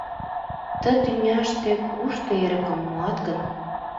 — Ты тӱняште кушто эрыкым муат гын?